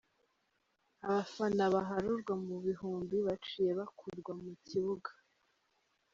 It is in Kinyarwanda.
Abafana baharurwa mu bihumbi baciye bakurwa mu kibuga.